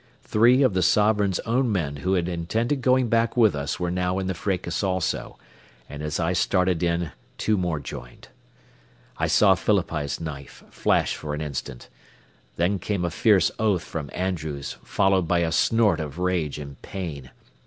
Three of the Sovereign's own men who had intended going back with us were now in the fracas also, and as I started in two more joined. I saw Phillippi's knife flash for an instant. Then came a fierce oath from Andrews, followed by a snort of rage and pain.